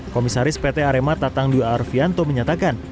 komisaris pt arema tatangdu arvianto menyatakan